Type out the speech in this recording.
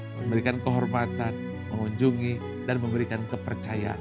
memberikan kehormatan mengunjungi dan memberikan kepercayaan